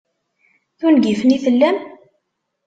D ungifen i tellam?